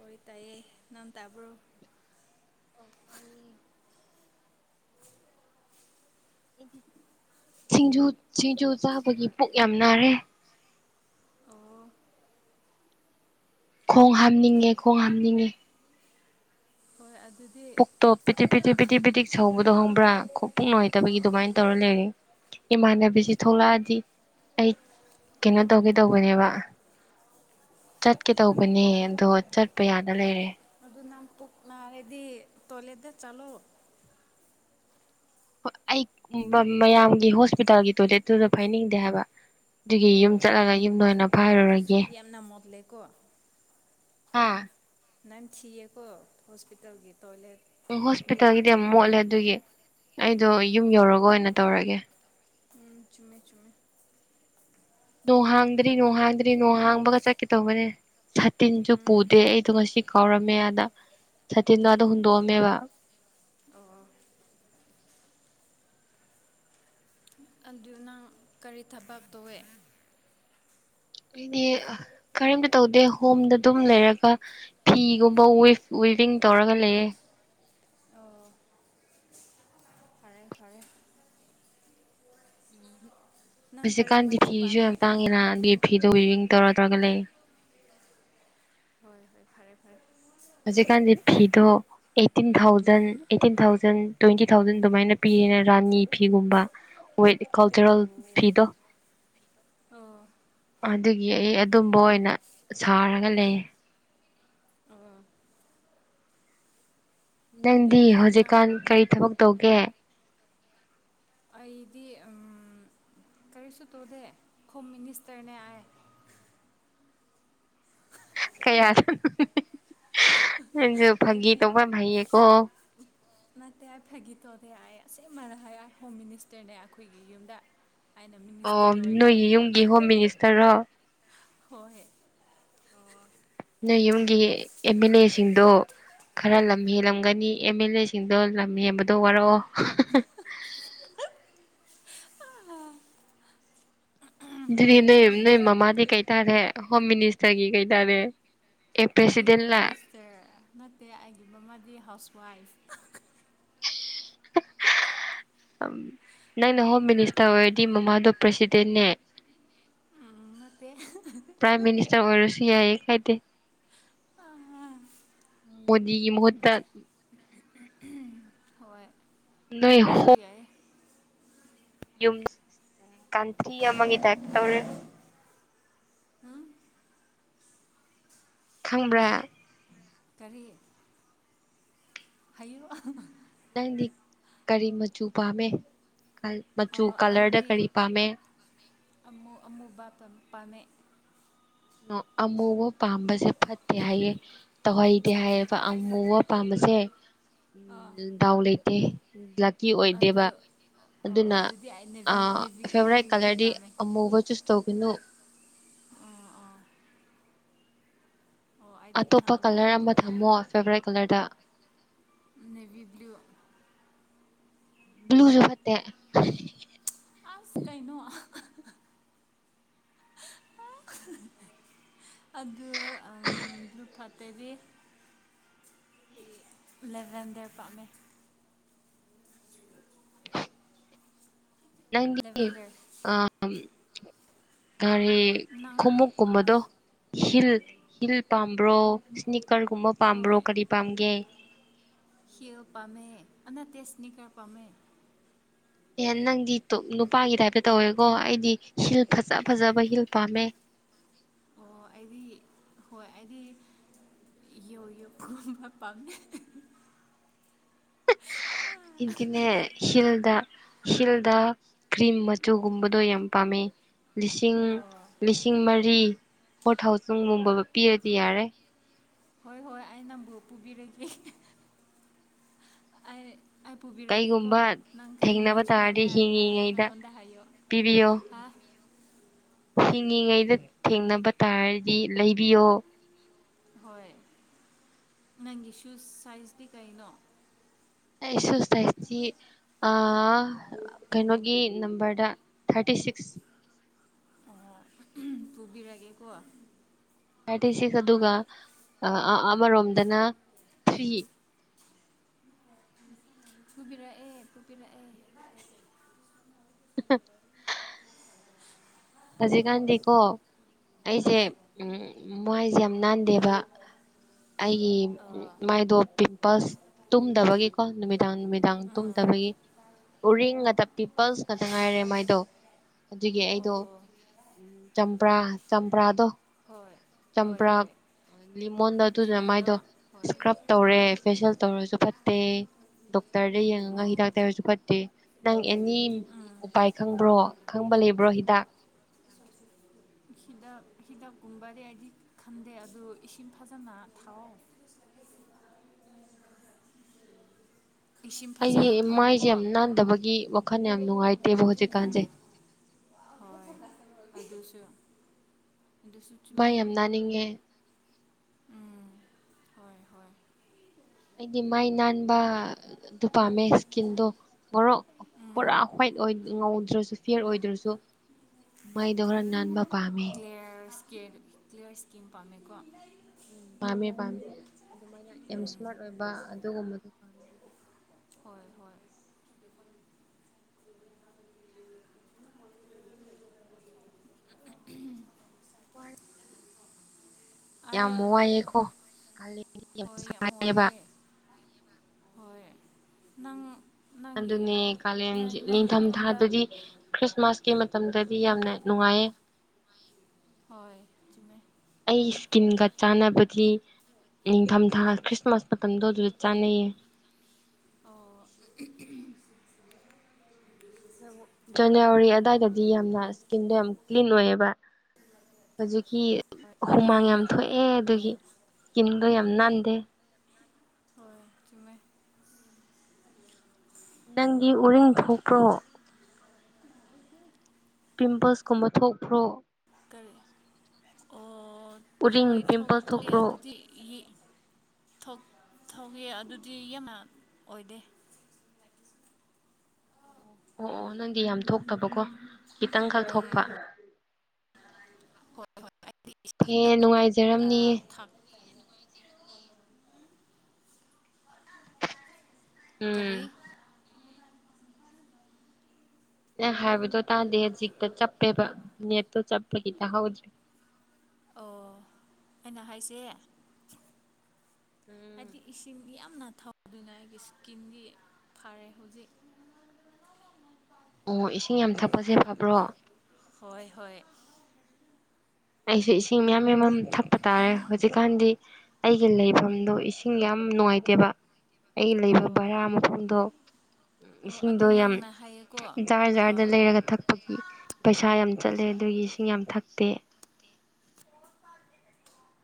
ꯑꯣꯏ ꯇꯥꯥꯏꯌꯦ ꯅꯟ ꯇꯥꯕ꯭ꯔꯣ ꯑꯧ ꯇꯥꯏꯌꯦ ꯑꯩꯗꯤ ꯁꯤꯡꯖꯨ ꯁꯤꯡꯖꯨ ꯆꯥꯕꯒꯤ ꯄꯨꯛ ꯌꯥꯝ ꯅꯥꯔꯦ ꯑꯣ ꯈꯣꯡ ꯍꯥꯝꯅꯤꯡꯉꯦ ꯈꯣꯡ ꯍꯥꯝꯅꯤꯡꯉꯦ ꯍꯣꯏ ꯑꯗꯨꯗꯤ ꯇꯣꯞ ꯄꯤꯇꯤ ꯄꯤꯇꯤ ꯄꯤꯇꯤꯛ ꯄꯤꯗꯤꯛ ꯁꯧꯕꯗꯣ ꯍꯪꯕ꯭ꯔꯥ ꯈꯣꯛ ꯄꯨꯛ ꯑꯣ ꯅꯨꯡꯉꯥꯏꯇꯕꯒꯤ ꯑꯣ ꯑꯗꯨꯃꯥꯏꯅ ꯇꯧꯔ ꯂꯩꯔꯦ꯫ ꯏꯃꯥꯟꯅꯕꯤꯁꯤ ꯑꯣ ꯊꯣꯛꯂꯛꯑꯗꯤ ꯑꯩ ꯀꯩꯅꯣ ꯑꯣ ꯇꯧꯒꯦ ꯇꯧꯕꯅꯦꯕ ꯆꯠꯀꯦ ꯇꯧꯕꯅꯦ ꯑꯣ ꯑꯗꯣ ꯆꯠꯄ ꯌꯥꯅ ꯂꯩꯔꯦ ꯑꯗꯨ ꯅꯪ ꯄꯨꯛ ꯅꯥꯔꯗꯤ ꯇꯣꯂꯦꯠꯇ ꯆꯠꯂꯣ ꯍꯣ ꯑꯩ ꯃ ꯃꯌꯥꯝꯒꯤ ꯍꯣꯁꯄꯤꯇꯥꯜꯒꯤ ꯇꯣꯏꯂꯦꯠꯇꯨꯗ ꯐꯥꯏꯅꯤꯡꯗꯦ ꯍꯥꯏꯕ ꯑꯗꯨꯒꯤ ꯌꯨꯝ ꯑꯣ ꯆꯠꯂꯒ ꯌꯨꯝꯗ ꯍꯣꯏ ꯑꯣꯏꯅ ꯍꯣꯏ ꯑꯗꯨꯁꯨ ꯐꯥꯏꯔꯨꯔꯒꯦ ꯌꯥꯝꯅ ꯃꯣꯠ ꯂꯦꯀꯣ ꯍꯥ ꯅꯝ ꯊꯤꯌꯦꯀꯣ ꯍꯣꯁꯄꯤꯇꯥꯜꯒꯤ ꯇꯣꯏꯂꯦꯠ ꯍꯣꯁꯄꯤꯇꯜꯒꯤꯗꯤ ꯌꯥꯝ ꯃꯣꯠꯂꯦ ꯑꯗꯨꯒꯤ ꯑꯩꯗꯣ ꯎꯝ ꯌꯨꯝ ꯌꯧꯔꯒ ꯑꯣꯏꯅ ꯇꯧꯔꯒꯦ ꯎꯝ ꯆꯨꯝꯃꯦ ꯆꯨꯝꯃꯦ ꯅꯣꯡ ꯍꯥꯡꯗ꯭ꯔꯤ ꯅꯣꯡ ꯍꯥꯡꯗ꯭ꯔꯤ ꯅꯣꯡꯍꯥꯡꯕꯒ ꯆꯠꯀꯦ ꯇꯧꯕꯅꯦ ꯆꯥꯇꯤꯟꯁꯨ ꯎꯝ ꯄꯨꯗꯦ ꯑꯩꯗꯣ ꯉꯁꯤ ꯀꯥꯎꯔꯝꯃꯦ ꯑꯗ ꯁꯇꯤꯟꯗꯣ ꯑꯗ ꯎꯝ ꯍꯨꯟꯗꯣꯛꯑꯝꯃꯦꯕ ꯑꯣ ꯑꯗꯨ ꯅꯪ ꯀꯔꯤ ꯊꯕꯛ ꯇꯧꯋꯦ ꯑꯩꯗꯤ ꯀꯔꯤꯝꯇ ꯇꯧꯗꯦ ꯍꯣꯝꯗ ꯑꯗꯨꯝ ꯂꯩꯔꯒ ꯐꯤꯒꯨꯝꯕꯋꯤꯐ ꯋꯤꯚꯤꯡ ꯇꯧꯔꯒ ꯂꯩꯑꯦ ꯑꯣ ꯐꯔꯦ ꯐꯔꯦ ꯅꯪ ꯀꯔꯤ ꯍꯧꯖꯤꯛꯀꯥꯟꯗꯤ ꯃꯆꯨ ꯐꯤꯁꯨ ꯄꯥꯝꯃꯦ ꯌꯥꯝ ꯇꯥꯡꯉꯤꯅ ꯑꯗꯨꯒꯤ ꯐꯤꯗꯨ ꯋꯤꯚꯤꯡ ꯇꯧꯔꯗ꯭ꯔꯒ ꯂꯩ ꯍꯣꯏ ꯍꯣꯏ ꯐꯔꯦ ꯐꯔꯦ ꯍꯧꯖꯤꯛꯀꯥꯟꯗꯤ ꯐꯤꯗꯣ eighteen thousand eighteen thousand twenty thousand ꯑꯗꯨꯃꯥꯏꯅ ꯄꯤꯔꯦꯅ ꯔꯥꯅꯤ ꯐꯤꯒꯨꯝꯕ ꯋꯠꯦ ꯀꯜꯆꯔꯦꯜ ꯐꯤꯗꯣ ꯑꯣ ꯑꯗꯨꯒꯤ ꯑꯩ ꯑꯗꯨꯝꯕ ꯑꯣꯏꯅ ꯁꯥꯔꯒ ꯂꯩ ꯑ ꯑꯗꯨ ꯅꯪꯗꯤ ꯑꯗꯨ ꯅꯪ ꯍꯧꯖꯤꯛꯀꯥꯟ ꯀꯔꯤ ꯊꯕꯛ ꯇꯧꯒꯦ ꯑꯩꯗꯤ ꯀꯔꯤꯁꯨ ꯇꯧꯗꯦ ꯍꯣꯝ ꯃꯤꯅꯤꯁꯇꯔꯅꯦ ꯑꯥꯏ ꯀꯌꯥꯗꯅꯣ [unintelligible] ꯅꯪꯁꯨ ꯐꯥꯒꯤ ꯑꯩꯗꯤ ꯇꯧꯕ ꯌꯥꯝ ꯍꯩꯌꯦꯀꯣ ꯅꯥꯠꯇꯦ ꯍꯥꯏ ꯐꯥꯒꯤ ꯇꯧꯗꯤ ꯑꯥꯏ ꯑꯁꯦꯃꯅ ꯍꯥꯏ ꯍꯣꯝ ꯃꯤꯅꯤꯁꯇꯔꯅꯦ ꯑꯥꯈꯣꯏꯒꯤ ꯌꯨꯝꯗ ꯑꯩꯅ ꯃꯤꯅꯤꯁꯇꯔ ꯑꯣꯏꯒ ꯒꯤ ꯍꯣꯝ ꯃꯤꯅꯤꯁꯇꯔꯣ ꯍꯣꯏ ꯅꯣꯏ ꯌꯨꯝꯒꯤ ꯑꯦꯝ ꯑꯦꯜ ꯑꯦꯁꯤꯡꯗꯣ ꯈꯔ ꯂꯝ ꯍꯦꯜꯂꯝꯒꯅꯤ ꯑꯦꯝ ꯑꯦꯜ ꯑꯦ ꯁꯤꯡꯗꯣ ꯂꯝ ꯍꯦꯟꯕꯗꯣ ꯋꯥꯔꯛꯑꯣ [unintelligible] ꯗꯨꯗꯤ ꯍꯣꯏ ꯅꯣꯏ ꯅꯣꯏ ꯃꯃꯥꯗꯤ ꯀꯩ ꯇꯥꯔꯦ ꯍꯣꯝ ꯃꯤꯅꯤꯁꯇꯔꯒꯤ ꯀꯩ ꯇꯥꯔꯦ ꯑꯦ ꯑꯩꯗꯤ ꯍꯣꯝ ꯄ꯭ꯔꯦꯁꯤꯗꯦꯟꯂ ꯃꯤꯅꯤꯁꯇꯔ ꯅꯠꯇꯦ ꯑꯩꯒꯤ ꯃꯃꯥꯗꯤ ꯍꯥꯎꯁ ꯋꯥꯏꯐ ꯅꯪꯅ ꯍꯣꯝ ꯃꯤꯅꯤꯁꯇꯔ ꯑꯣꯏꯔꯗꯤ ꯃꯃꯥꯗꯣ ꯄ꯭ꯔꯦꯁꯤꯗꯦꯟꯅꯦ ꯎꯝ ꯅꯠꯇꯦ ꯆꯥꯎꯍꯜꯂꯁꯨ ꯌꯥꯏꯌꯦ ꯀꯥꯏꯗꯦ ꯃꯣꯗꯤꯒꯤ ꯃꯍꯨꯠꯇ ꯍꯣꯏ ꯅꯣꯏ ꯑꯗꯨꯁꯨ ꯍꯣꯝ ꯌꯥꯏ ꯌꯨꯝ ꯎ ꯀꯥꯟꯇ꯭ꯔꯤ ꯑꯃꯒꯤ ꯇꯥꯏꯞꯇ ꯇꯧꯔꯦ ꯎꯝ ꯈꯪꯕ꯭ꯔꯥ ꯀꯔꯤ ꯍꯥꯏꯌꯨ ꯅꯪꯗꯤꯛ ꯀꯔꯤ ꯃꯆꯨ ꯄꯥꯝꯃꯦ ꯀꯜ ꯃꯆꯨ ꯀꯂ꯭ꯔꯗ ꯑꯩꯗꯤ ꯀꯔꯤ ꯄꯥꯝꯃꯦ ꯑꯃꯨ ꯑꯃꯨꯕꯥꯞꯄꯝ ꯄꯥꯝꯃꯦ ꯑꯣ ꯑꯃꯨꯕ ꯄꯥꯝꯕꯁꯦ ꯐꯠꯇꯦ ꯍꯥꯏꯌꯦ ꯇꯧꯍꯩꯗꯦ ꯍꯥꯏꯌꯦꯕ ꯑꯁ ꯑꯃꯨꯕ ꯄꯥꯝꯕꯁꯦ ꯎꯝ ꯗꯥꯎ ꯂꯩꯇꯦ ꯂꯛꯀꯤ ꯑꯗꯨ ꯑꯣꯏꯗꯦꯕ ꯑꯣ ꯑꯗꯨꯅ ꯑꯗꯨꯗꯤ ꯑꯩ ꯅꯦꯚꯤ ꯑꯥ ꯅꯦꯚꯤ ꯐꯦꯚꯣꯔꯥꯏꯠ ꯅꯦꯚꯤ ꯕ꯭ꯂꯨ ꯀꯂ꯭ꯔꯗꯤ ꯄꯥꯝꯃꯦ ꯑꯃꯨꯕ ꯆꯨꯁ ꯇꯧꯒꯅꯨ ꯑꯥ ꯑꯥ ꯑꯣ ꯑꯩꯗꯤ ꯑꯇꯣꯞꯄ ꯈꯟꯗꯦ ꯀꯂ꯭ꯔ ꯑꯃ ꯑꯗꯨꯅ ꯊꯝꯃꯣ ꯐꯦꯕꯣꯔꯥꯏꯠ ꯀꯂ꯭ꯔꯗ ꯎꯝ ꯅꯦꯕꯤ ꯕ꯭ꯂꯨ ꯕ꯭ꯂꯨꯖꯨ ꯐꯠꯇꯦ ꯑꯥꯁ ꯀꯩꯅꯣ ꯑꯗꯨ ꯑꯝ ꯕ꯭ꯂꯨ ꯐꯠꯇꯗꯤ ꯕꯤꯡꯏꯠ ꯂꯦꯚꯦꯟꯗ꯭ꯔ ꯄꯥꯝꯃꯦ ꯅꯪꯗꯤ ꯂꯦꯚꯦꯟꯗꯔ ꯑꯝ ꯀꯔꯤ ꯅꯪ ꯈꯨꯃꯨꯛ ꯀꯨꯝꯕꯗꯣ ꯍꯤꯜ ꯍꯤꯜ ꯄꯥꯝꯕ꯭ꯔꯣ ꯏꯁ꯭ꯅꯤꯀ꯭ꯔꯒꯨꯝꯕ ꯄꯥꯝꯕ꯭ꯔꯣ ꯀꯔꯤ ꯄꯥꯝꯒꯦ ꯈꯤꯜ ꯄꯝꯃꯦ ꯑ ꯅꯠꯇꯦ ꯏꯁ꯭ꯅꯤꯀ꯭ꯔ ꯄꯝꯃꯦ ꯑꯦ ꯅꯪꯗꯤ ꯇꯨꯛ ꯅꯨꯄꯥꯒꯤ ꯇꯥꯏꯞꯇ ꯇꯧꯋꯦꯀꯣ ꯑꯩꯗꯤ ꯍꯤꯜ ꯐꯖ ꯐꯖꯕ ꯍꯤꯜ ꯄꯥꯝꯃꯦ ꯑꯣ ꯑꯩꯗꯤ ꯍꯣꯏ ꯑꯩꯗꯤ ꯌꯣ ꯌꯣꯈꯨꯝꯕ ꯄꯥꯝꯃꯦ ꯑꯥ ꯑꯩꯗꯤꯅꯦ ꯍꯤꯜꯗ ꯍꯤꯜꯗ ꯀ꯭ꯔꯤꯝ ꯃꯆꯨꯒꯨꯝꯕꯗꯣ ꯌꯥꯝ ꯄꯥꯝꯃꯦ ꯂꯤꯁꯤꯡ ꯑꯣ ꯂꯤꯁꯤꯡ ꯃꯔꯤ ꯐꯣꯔ ꯊꯥꯎꯖꯟꯒꯨꯝꯕꯒ ꯄꯤꯔꯗꯤ ꯌꯥꯔꯦ ꯍꯣꯏ ꯍꯣꯏ ꯑꯩ ꯅꯪꯕꯨ ꯄꯨꯕꯤꯔꯒꯦ ꯑꯩ ꯑꯩ ꯄꯨꯕꯤꯔꯒꯦꯀꯣ ꯀꯩꯒꯨꯝꯕ ꯅꯪ ꯀꯔꯤ ꯊꯦꯡꯅꯕ ꯃꯆꯨ ꯇꯥꯔꯗꯤ ꯄꯥꯝꯃꯦ ꯑ ꯑ ꯍꯤꯡꯉꯤꯉꯩꯗ ꯑꯩꯉꯣꯟꯗ ꯍꯥꯏꯌꯣ ꯄꯤꯕꯤꯌꯣ ꯍꯥ ꯍꯤꯡꯉꯤꯉꯩꯗ ꯊꯦꯡꯅꯕ ꯇꯥꯔꯗꯤ ꯂꯩꯕꯤꯌꯣ ꯍꯣꯏ ꯅꯪꯒꯤꯁꯨ ꯁꯥꯏꯖꯇꯤ ꯀꯩꯅꯣ ꯑꯩꯁꯨ ꯁꯥꯏꯁꯇꯤ ꯑꯥ ꯀꯩꯅꯣꯒꯤ ꯅꯝꯕ꯭ꯔꯗ ꯊꯥꯔꯇꯤ ꯁꯤꯛꯁ ꯎꯝ ꯄꯨꯕꯤꯔꯒꯦꯀꯣ ꯊꯥꯔꯇꯤ ꯁꯤꯛꯁ ꯑꯗꯨꯒ ꯑ ꯑꯥ ꯑꯃꯔꯣꯝꯗꯅ ꯊ꯭ꯔꯤ ꯄꯨꯕꯤꯔꯛꯑꯦ ꯄꯨꯕꯤꯔꯛꯑꯦ [unintelligible] ꯍꯧꯖꯤꯛꯀꯥꯟꯗꯤꯀꯣ ꯑꯩꯁꯦ ꯍꯣꯏ ꯎꯝ ꯃꯥꯏꯁꯦ ꯌꯥꯝ ꯅꯥꯟꯗꯦꯕ ꯑꯩꯒꯤ ꯑꯣ ꯃꯥꯏꯗꯣ ꯄꯤꯄꯜꯁ ꯇꯨꯝꯗꯕꯒꯤꯀꯣ ꯅꯨꯃꯤꯗꯥꯡ ꯅꯨꯃꯤꯗꯥꯡ ꯇꯨꯝꯗꯕꯒꯤ ꯎꯔꯤꯡ ꯉꯛꯇ ꯄꯤꯄꯜꯁ ꯉꯥꯛꯇ ꯉꯥꯏꯔꯦ ꯃꯥꯏꯗꯣ ꯑꯗꯨꯒꯤ ꯑꯩꯗꯣ ꯑꯣ ꯆꯝꯄ꯭ꯔꯥ ꯆꯝꯄ꯭ꯔꯥꯗꯣ ꯍꯣꯏ ꯍꯣꯏ ꯆꯝꯄ꯭ꯔꯥ ꯍꯣꯏ ꯂꯤꯃꯣꯟꯗꯣ ꯑꯗꯨꯗꯨꯅ ꯂꯦꯃꯟꯗꯣ ꯃꯥꯏꯗꯣ ꯍꯣꯏ ꯏꯁꯀ꯭ꯔꯞ ꯇꯧꯔꯦ ꯎꯝ ꯐꯦꯁꯤꯌꯦꯜ ꯇꯧꯔꯁꯨ ꯐꯠ ꯇꯦ ꯗꯣꯛꯇ꯭ꯔꯗ ꯌꯦꯡꯉꯒ ꯑꯣ ꯍꯤꯗꯥꯛ ꯇꯩꯔꯁꯨ ꯐꯠ ꯇꯦ ꯅꯪ ꯑꯦꯅꯤ ꯎꯄꯥꯏ ꯈꯪꯕ꯭ꯔꯣ ꯈꯪꯕ ꯂꯩꯕ꯭ꯔꯣ ꯍꯤꯗꯥꯛ ꯍꯤꯗꯥꯛ ꯍꯤꯗꯥꯛꯀꯨꯝꯕꯗꯤ ꯑꯩꯗꯤ ꯈꯪꯗꯦ ꯑꯗꯨ ꯏꯁꯤꯡ ꯐꯖꯅ ꯊꯥꯎꯑꯣ ꯏꯁꯤꯡ ꯑꯩꯗꯤ ꯐꯖꯅ ꯃꯥꯏꯁꯦ ꯊꯥꯎꯔꯣꯀꯣ ꯌꯥꯝ ꯅꯥꯟꯗꯕꯒꯤ ꯋꯥꯈꯟ ꯌꯥꯝ ꯅꯨꯡꯉꯥꯏꯇꯦꯕ ꯍꯧꯖꯤꯛꯀꯥꯟꯁꯦ ꯍꯣꯏ ꯑꯗꯨꯁꯨ ꯑꯗꯨꯁꯨ ꯆꯨꯝꯃꯦ ꯃꯥꯏ ꯌꯥꯝ ꯅꯥꯟꯅꯤꯡꯉꯦ ꯍꯣꯏ ꯍꯣꯏ ꯑꯩꯗꯤ ꯃꯥꯏ ꯅꯥꯟꯕ ꯑꯗꯨ ꯄꯥꯝꯃꯦ ꯏꯁꯀꯤꯟꯗꯣ ꯉꯣꯔꯣꯛ ꯄꯨꯔꯥ ꯍ꯭ꯋꯥꯏꯠ ꯉꯧꯗ꯭ꯔꯁꯨ ꯐꯤꯔ ꯑꯣꯏꯗ꯭ꯔꯁꯨ ꯃꯩꯗꯣ ꯈꯔ ꯅꯥꯟꯕ ꯄꯥꯝꯃꯤ ꯀꯂꯤꯌ꯭ꯔ ꯏꯁꯀꯤꯟ ꯀꯂꯤꯌ꯭ꯔ ꯏꯁꯀꯤꯟ ꯄꯥꯝꯃꯦꯀꯣ ꯎꯝ ꯄꯥꯝꯃꯦ ꯄꯥꯝꯃꯦ ꯑꯗꯨꯃꯥꯏꯅ ꯑꯦꯝ ꯏꯁꯃꯥꯔꯠ ꯑꯣꯏꯕ ꯑꯗꯨꯒꯨꯝꯕꯗꯨꯣ ꯄꯥꯝꯃꯦ ꯍꯣꯏ ꯍꯣꯏ ꯍ ꯎꯝ ꯋꯥ ꯌꯥꯝ ꯑꯩ ꯋꯥꯏꯑꯦꯀꯣ ꯍꯣꯏ ꯌꯥꯝ ꯋꯥꯏꯑꯦ ꯍꯣꯏ ꯅꯪ ꯅꯪꯒꯤ ꯑꯗꯨꯅꯦ ꯀꯥꯂꯦꯟꯁꯤ ꯅꯪꯒꯤ ꯌꯨꯝꯗ ꯅꯤꯡꯊꯝꯊꯥꯗꯗꯤ ꯈ꯭ꯔꯤꯁꯃꯥꯁꯀꯤ ꯃꯇꯝꯗꯗꯤ ꯌꯥꯝꯅ ꯅꯨꯡꯉꯥꯏꯌꯦ ꯍꯣꯏ ꯆꯃꯦ ꯑꯩ ꯏꯁꯀꯤꯟꯒ ꯆꯥꯟꯅꯕꯗꯤ ꯅꯤꯡꯊꯝꯊꯥ ꯈ꯭ꯔꯤꯁꯃꯥꯁ ꯃꯇꯝꯗꯣ ꯑꯗꯨꯗ ꯆꯥꯅꯩꯌꯦ ꯑꯣ ꯖꯅꯋꯥꯔꯤ ꯑꯗꯨꯗꯥꯏꯗꯗꯤ ꯌꯥꯝꯅ ꯏꯁꯀꯤꯟꯗꯣ ꯌꯥꯝ ꯀ꯭ꯂꯤꯟ ꯑꯣꯏꯑꯕ ꯍꯧꯖꯤꯛꯀꯤ ꯍꯣꯏ ꯍꯨꯃꯥꯡ ꯌꯥꯝ ꯊꯣꯛꯑꯦ ꯑꯗꯨꯗꯒꯤ ꯏꯁꯀꯤꯟꯗꯣ ꯌꯥꯝ ꯅꯥꯟꯗꯦ ꯍꯣꯏ ꯆꯃꯦ ꯅꯪꯒꯤ ꯎꯔꯤꯡ ꯊꯣꯛꯄ꯭ꯔꯣ ꯄꯤꯝꯄꯜꯁꯀꯨꯝꯕ ꯊꯣꯛꯄ꯭ꯔꯣ ꯀꯔꯤ ꯑꯣ ꯎꯔꯤꯡ ꯍꯣꯏ ꯊꯣꯛꯦ ꯄꯤꯝꯄꯜꯁ ꯊꯣꯛꯑꯦ ꯊꯣꯛꯄ꯭ꯔꯣ ꯑꯗꯨꯗꯤ ꯌꯦ ꯊꯣꯛꯏ ꯑꯗꯨꯗꯤ ꯌꯥꯝꯅ ꯑꯣꯏꯗꯦ ꯑꯣ ꯑꯣ ꯅꯪꯗꯤ ꯌꯥꯝ ꯊꯣꯛꯇꯕꯀꯣ ꯈꯤꯇꯪꯈꯛ ꯊꯣꯛꯄ ꯐꯦ ꯅꯨꯡꯉꯥꯏꯖꯦ ꯑ ꯊꯝ ꯀꯔꯤ ꯎꯝ ꯅꯪ ꯍꯥꯏꯕꯗꯣ ꯇꯥꯗꯦ ꯍꯧꯖꯤꯛꯇ ꯆꯠꯄꯦꯕ ꯅꯦꯠꯇꯣ ꯆꯠꯄꯒꯤ ꯇꯍꯧꯗ꯭ꯔꯦ ꯑꯣ ꯑꯩꯅ ꯍꯥꯏꯁꯦ ꯎꯝ ꯍꯥꯏꯗꯤ ꯏꯁꯤꯡ ꯌꯥꯝꯅ ꯊꯧꯗꯨꯅ ꯑꯩꯒꯤ ꯏꯁꯀꯤꯟꯗꯤ ꯐꯔꯦ ꯍꯧꯖꯤꯛ ꯑꯣ ꯏꯁꯤꯡ ꯌꯥꯝ ꯊꯛꯄꯁꯦ ꯐꯕ꯭ꯔꯣ ꯍꯣꯏ ꯍꯣꯏ ꯑꯩꯁꯨ ꯏꯁꯤꯡ ꯃꯌꯥꯝ ꯃꯌꯥꯝ ꯊꯛꯄ ꯇꯥꯔꯦ ꯍꯧꯖꯤꯛꯀꯥꯟꯗꯤ ꯑꯩꯒꯤ ꯂꯩꯐꯝꯗꯣ ꯏꯁꯤꯡ ꯌꯥꯝ ꯅꯨꯡꯉꯥꯏꯇꯦꯕ ꯑꯩ ꯂꯩꯕ ꯑꯣ ꯕꯔꯥ ꯃꯐꯝꯗꯣ ꯑꯣ ꯑꯗꯨ ꯏꯁꯤꯡꯗꯣ ꯌꯥꯝ ꯅꯪꯅ ꯍꯥꯏꯌꯦꯀꯣ ꯖꯥꯔ ꯖꯥꯔꯗ ꯂꯩꯔꯒ ꯊꯛ ꯑꯩꯣꯏꯒꯤ ꯄꯩꯁꯥ ꯌꯥꯝ ꯆꯠꯂꯦ ꯑꯗꯨꯒꯤ ꯏꯁꯤꯡ ꯌꯥꯝ ꯊꯛꯇꯦ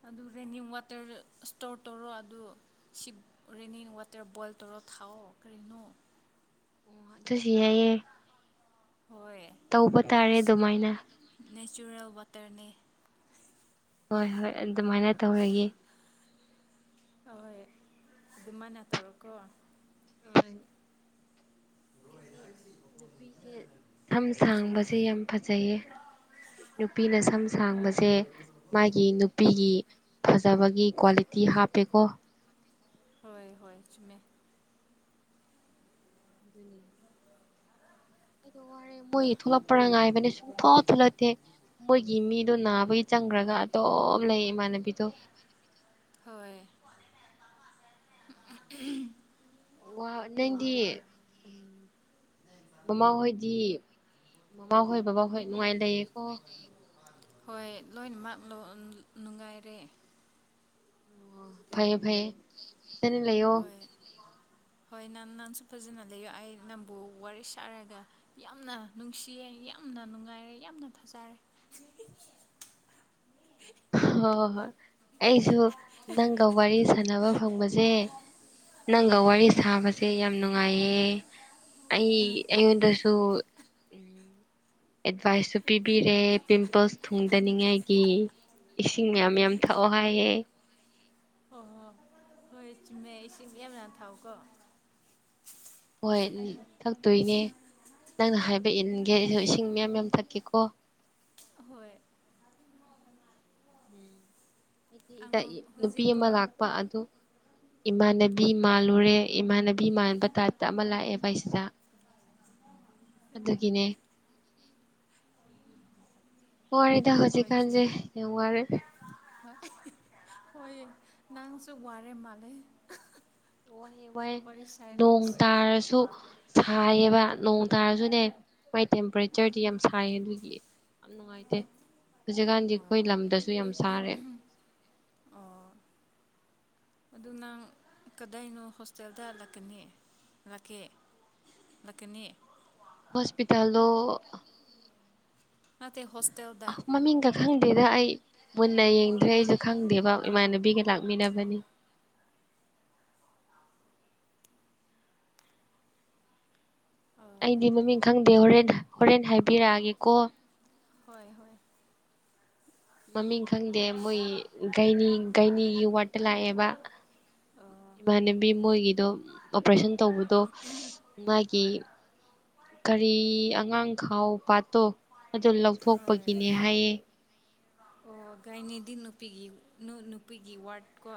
ꯑꯗꯨ ꯔꯦꯅꯤꯡ ꯋꯥꯇꯔ ꯏꯁꯇꯣꯔ ꯇꯧꯔꯣ ꯑꯗꯨ ꯁꯤ ꯔꯦꯅꯤ ꯋꯥꯇꯔ ꯕꯣꯏꯜ ꯇꯧꯔꯣ ꯊꯥꯎꯑꯣ ꯀꯔꯤꯅꯣ ꯁꯤ ꯌꯥꯏꯌꯦ ꯍꯣꯏ ꯇꯧꯕ ꯇꯥꯔꯦ ꯑꯗꯨꯃꯥꯏꯅ ꯅꯦꯆꯔꯦꯜ ꯋꯥꯇꯔꯅꯦ ꯍꯣꯏ ꯍꯣꯏ ꯑꯗꯨꯃꯥꯏꯅ ꯇꯧꯔꯒꯦ ꯍꯍꯣꯏ ꯑꯗꯨꯃꯅ ꯇꯧꯔꯣꯀꯣ [unintelligible] ꯑꯩꯗꯤ [unintelligible] [unintelligible] ꯁꯝ ꯁꯥꯡꯕꯁꯦ ꯌꯥꯝ ꯐꯖꯩꯌꯦ ꯅꯨꯄꯤꯅ ꯁꯝ ꯍꯣꯏ ꯁꯥꯡꯕꯁꯦ ꯃꯥꯒꯤ ꯅꯨꯄꯤꯒꯤ ꯐꯖꯕꯒꯤ ꯀ꯭ꯋꯥꯂꯤꯇꯤ ꯍꯥꯞꯄꯦꯀꯣ ꯍꫭꯏ ꯆꯨꯝꯃꯦ ꯑꯗꯨꯅꯤ ꯑꯩꯗꯣ ꯋꯥꯔꯦ ꯃꯣꯏ ꯊꯣꯛꯂꯛꯄꯔ ꯉꯥꯏꯕꯅꯦ ꯁꯨꯝ ꯊꯣꯛ ꯊꯣꯛꯂꯛꯇꯦ ꯃꯣꯏꯒꯤ ꯃꯤꯗꯨ ꯅꯥꯕꯒꯤ ꯆꯪꯈ꯭ꯔꯒ ꯑꯗꯨꯝ ꯂꯩ ꯏꯃꯥꯟꯅꯕꯤꯗꯣ ꯍꯣꯏ ꯋꯥ ꯅꯪꯗꯤ ꯎꯝ ꯃꯃꯥꯍꯣꯏꯗꯤ ꯃꯃꯥꯍꯣꯏ ꯕꯕꯥꯍꯣꯏ ꯅꯨꯡꯉꯥꯏ ꯂꯩꯌꯦꯀꯣ ꯍꯣꯏ ꯂꯣꯏꯅꯃꯛ ꯅꯨꯡꯉꯥꯏꯔꯦ ꯑꫭ ꯐꯩꯌꯦ-ꯐꯩꯌꯦ ꯍꯣꯏ-ꯍꯣꯏ ꯅꯥꯟ ꯅꯪꯁꯨ ꯐꯖꯅ ꯂꯩꯌꯣ ꯑꯩ ꯅꯪꯕꯨ ꯋꯥꯔꯤ ꯁꯥꯔꯒ ꯌꯥꯝꯅ ꯅꯨꯡꯁꯤꯌꯦ ꯌꯥꯝꯅ ꯅꯨꯡꯉꯥꯏꯔꯦ ꯌꯥꯝꯅ ꯐꯖꯥꯔꯦ ꯍꯣ-ꯍꯣ-ꯍꯣꯏ ꯑꯩꯁꯨ ꯅꯪꯒ ꯋꯥꯔꯤ ꯁꯥꯟꯅꯕ ꯐꯪꯕꯖꯦ ꯅꯪꯒ ꯋꯥꯔꯤ ꯁꯥꯕꯁꯦ ꯌꯥꯝ ꯅꯨꯡꯉꯥꯏꯌꯦ꯫ ꯑꯩ ꯑꯩꯉꯣꯟꯗꯁꯨ ꯎꯝ ꯑꯦꯗꯕꯥꯏꯁꯁꯨ ꯄꯤꯄꯤꯔꯦ ꯄꯤꯝꯄꯜꯁ ꯊꯨꯡꯗꯅꯤꯡꯉꯥꯏꯒꯤ ꯏꯁꯤꯡ ꯃꯌꯥꯝ-ꯃꯌꯥꯝ ꯊꯛꯑꯣ ꯍꯥꯏꯑꯦ꯫ ꯍꯣꯍꯣ ꯍꯣꯏ ꯆꯨꯝꯃꯦ ꯏꯁꯤꯡ ꯃꯌꯥꯝ-ꯃꯌꯥꯝ ꯊꯥꯛꯑꯣꯀꯣ꯫ ꯍꯣꯏ ꯎꯝ ꯊꯛꯇꯣꯏꯅꯦ ꯅꯪꯅ ꯍꯥꯏꯕ ꯏꯟꯒꯦ ꯑꯩꯖꯨ ꯏꯁꯤꯡ ꯃꯌꯥꯝ ꯃꯌꯥꯝ ꯊꯛꯀꯦꯀꯣ꯫ ꯑꯍꯣꯏ ꯎꯝ ꯑꯩꯒꯤꯗ ꯑꯉꯥꯡ ꯅꯨꯄꯤ ꯍꯧꯖꯤꯛꯀꯣ ꯑꯃ ꯂꯥꯛꯄ ꯑꯗꯨ ꯏꯃꯥꯟꯅꯕꯤ ꯃꯥꯜꯂꯨꯔꯦ ꯏꯃꯥꯟꯅꯕꯤ ꯃꯥꯟꯕ ꯇꯥꯏꯞꯇ ꯑꯃ ꯂꯥꯛꯑꯦꯕ ꯑꯩꯁꯤꯗ ꯑꯗꯨꯒꯤꯅꯦ ꯋꯥꯔꯦꯗ ꯍꯣꯏ ꯍꯧꯖꯤꯛꯀꯥꯟꯖꯦ ꯆꯨꯝꯃꯦ ꯌꯥꯝ ꯋꯥꯔꯦ꯫ [unintelligible] ꯍꯣꯏ ꯍꫭꯏꯌꯦ ꯅꯪꯁꯨ ꯋꯥꯔꯦ ꯃꯥꯜꯂꯦ꯫ ꯋꯥꯏꯌꯦ ꯋꯥꯏꯌꯦ ꯋꯥꯔꯤ ꯅꯣꯡ ꯁꯥꯔꯤꯁ ꯇꯥꯔꯁꯨ ꯁꯥꯏꯌꯦꯕ ꯅꯣꯡ ꯇꯥꯔꯖꯨꯅꯦ ꯃꯥꯏ ꯇꯦꯝꯄ꯭ꯔꯦꯆꯔꯗꯤ ꯌꯥꯝ ꯁꯥꯏꯌꯦ ꯑꯗꯨꯒꯤ ꯌꯥꯝ ꯅꯨꯡꯉꯥꯏꯇꯦ ꯍꯧꯖꯤꯛꯀꯥꯟꯗꯤ ꯑꯈꯣꯏ ꯂꯝꯗꯁꯨ ꯌꯥꯝ ꯁꯥꯔꯦ꯫ ꯑꯣ ꯑꯗꯨ ꯅꯪ ꯀꯗꯥꯏꯅꯣ ꯍꯣꯁꯇꯦꯜꯗ ꯂꯛꯀꯅꯤ ꯂꯛꯀꯦ꯫ ꯂꯛꯀꯅꯤ ꯍꯣꯁꯄꯤꯇꯥꯜꯂꯣ ꯅꯠꯇꯦ ꯍꯣꯁꯇꯦꯜꯗ ꯑꯥ ꯃꯃꯤꯡꯒ ꯈꯪꯗꯦꯗ ꯑꯩ ꯃꯨꯟꯅ ꯌꯦꯡꯗ꯭ꯔꯦ ꯑꯩꯖꯨ ꯈꯪꯗꯦꯕ ꯏꯃꯥꯟꯅꯕꯤꯒ ꯂꯥꯛꯃꯤꯟꯅꯕꯅꯤ꯫ ꯑꯣ ꯑꯩꯗꯤ ꯃꯃꯤꯡ ꯈꯪꯗꯦ ꯍꯣꯔꯦꯟ ꯍꯣꯔꯦꯟ ꯍꯥꯏꯕꯤꯔꯛꯑꯒꯦꯀꯣ꯫ ꯍꯣꯏ ꯍꯣꯏ ꯃꯃꯤꯡ ꯈꯪꯗꯦ ꯃꯣꯏꯒꯤ ꯒꯩꯅꯤ ꯒꯩꯅꯤꯒꯤ ꯋꯥꯔꯠꯇ ꯂꯥꯛꯑꯦꯕ꯫ ꯑꯣ ꯏꯃꯥꯟꯅꯕꯤ ꯃꯣꯏꯒꯤꯗꯣ ꯑꯣꯄ꯭ꯔꯦꯁꯟ ꯍꯣꯏ ꯇꯧꯕꯗꯣ ꯃꯥꯒꯤ ꯍꯣꯏ ꯀꯔꯤ ꯑꯉꯥꯡꯈꯥꯎ ꯄꯥꯠꯇꯣ ꯑꯗꯨ ꯍꯣꯏ ꯂꯧꯊꯣꯛꯄꯒꯤꯅꯦ ꯍꯥꯏꯌꯦ꯫ ꯑꯣ ꯒꯩ ꯅꯤꯗꯤ ꯅꯨꯄꯤꯒꯤ ꯅꯨ-ꯅꯨꯄꯤꯒꯤ ꯋꯥꯔꯠ ꯀꯣ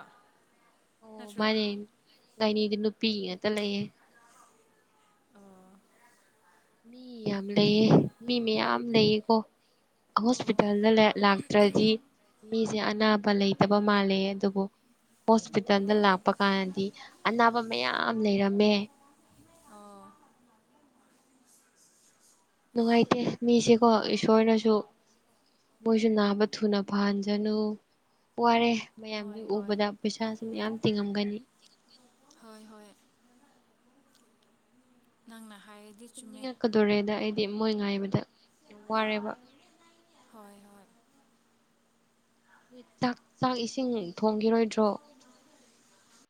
ꯑꯣ ꯃꯥꯅꯦ ꯒꯥꯏꯅꯤꯗꯤ ꯅꯨꯄꯤꯒꯤ ꯉꯥꯛꯇ ꯂꯩꯌꯦ꯫ ꯑꯣ ꯃꯤ ꯌꯥꯝ ꯂꯩꯌꯦ ꯃꯤ ꯃꯌꯥꯝ ꯂꯩꯌꯦꯀꯣ꯫ ꯑꯣ ꯍꯣꯁꯄꯤꯇꯥꯜꯗ ꯂꯦꯑꯦ ꯂꯥꯛꯇ꯭ꯔꯗꯤ ꯃꯤꯖꯦ ꯑꯅꯥꯕ ꯂꯩꯇꯕ ꯃꯥꯜꯂꯦꯌꯦ ꯑꯗꯨꯕꯨ ꯍꯣꯁꯄꯤꯇꯟꯗ ꯑꯣ ꯂꯥꯛꯄꯀꯥꯟꯗꯤ ꯑꯅꯥꯕ ꯃꯌꯥꯝ ꯂꯩꯔꯝꯃꯦ꯫ ꯑꯣ ꯅꯨꯡꯉꯥꯏꯇꯦ ꯃꯤꯁꯦꯀꯣ ꯏꯁꯣꯔꯅꯁꯨ ꯃꯣꯏꯁꯨ ꯅꯥꯕ ꯊꯨꯅ ꯐꯍꯟꯖꯅꯨ꯫ ꯋꯥꯔꯦ ꯃꯌꯥꯝꯗꯨ ꯍꯣꯏ ꯍꯣꯏ ꯎꯕꯗ ꯄꯩꯁꯥꯁꯨ ꯃꯌꯥꯝ ꯇꯤꯡꯉꯝꯒꯅꯤ꯫ ꯍꯣꯏ ꯍꯣꯏ ꯍꯥꯏꯌꯦꯠ ꯇꯨꯝꯅꯤꯡꯉꯛꯀꯗꯣꯔꯦꯗ ꯑꯩꯗꯤ ꯃꯣꯏ ꯉꯥꯏꯕꯗ ꯌꯥꯝ ꯋꯥꯔꯦꯕ꯫ ꯍꯣꯏ ꯍꯣꯏ [inaudible] ꯆꯥꯛ ꯆꯥꯛ ꯏꯁꯤꯡ ꯊꯣꯡꯒꯤꯔꯣꯏꯗ꯭ꯔꯣ꯫